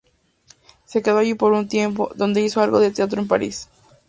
Se quedó allí por un tiempo, donde hizo algo de teatro en París.